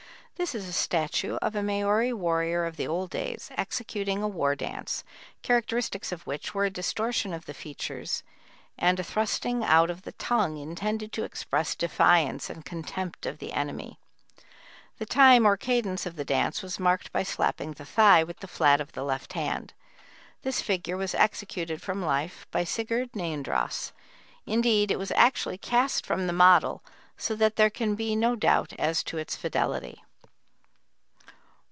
This is a statue of a Maori warrior of the old days, executing a war dance, characteristics of which were a distortion of the features and a thrusting out of the tongue intended to express defiance and contempt of the enemy; the time or cadence of the dance was marked by slapping the thigh with the flat of the left hand. This figure was executed from life by Sigurd Neandross; indeed it was actually cast from the model, so that there can be no doubt as to its fidelity.